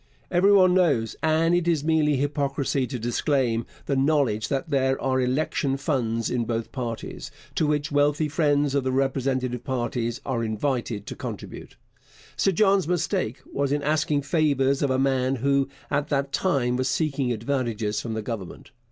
Every one knows, and it is mere hypocrisy to disclaim the knowledge, that there are election funds in both parties, to which wealthy friends of the respective parties are invited to contribute. Sir John's mistake was in asking favours of a man who at that time was seeking advantages from the Government.